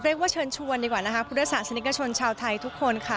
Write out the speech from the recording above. เรียกว่าเชิญชวนดีกว่านะคะพุทธศาสนิกชนชาวไทยทุกคนค่ะ